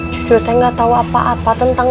cucu teh gak tau apa apa tentang